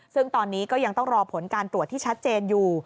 ซึ่งตอนนี้ก็ยังต้องรอผลการตรวจที่ชัดเจนอยู่